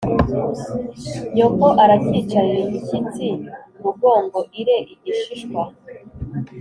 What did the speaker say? nyoko arakicarira ig ishy itsi rugongo ire ig ishis hwa